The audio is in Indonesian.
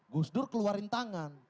gus dur keluarin tangan